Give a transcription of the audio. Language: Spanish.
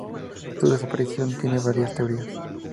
Su desaparición tiene varias teorías.